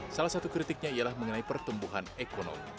salah satu kritiknya ialah mengenai pertumbuhan ekonomi